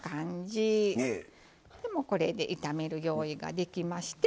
もうこれで炒める用意ができまして。